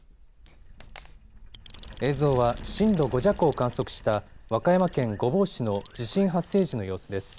映像は震度５弱を観測した和歌山県御坊市の地震発生時の予想です。